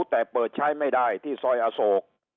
แต่เปิดใช้ไม่ได้ที่ซอยอโศก